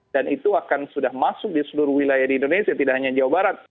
dan itu akan sudah masuk di seluruh wilayah di indonesia tidak hanya jawa barat